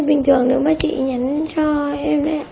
bình thường nếu mà chị nhắn cho em